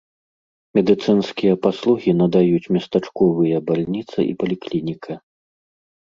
Медыцынскія паслугі надаюць местачковыя бальніца і паліклініка.